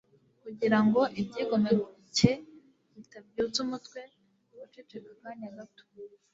kugira ngo ibyigomeke bitabyutsa umutwe guceceka akanya gato